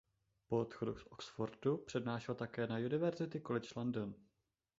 Po odchodu z Oxfordu přednášel také na "University college London".